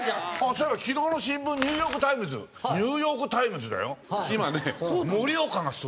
そういえば昨日の新聞『ニューヨーク・タイムズ』。『ニューヨーク・タイムズ』だよ？